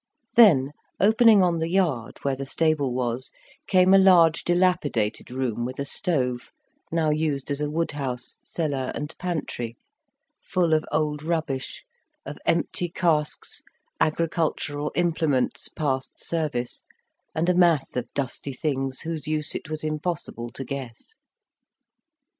Then, opening on the yard, where the stable was, came a large dilapidated room with a stove, now used as a wood house, cellar, and pantry, full of old rubbish, of empty casks, agricultural implements past service, and a mass of dusty things whose use it was impossible to guess.